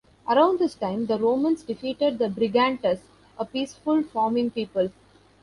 Around this time, the Romans defeated the Brigantes, a peaceful, farming people.